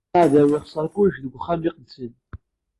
Aɛdaw issexser kullec deg uxxam iqedsen.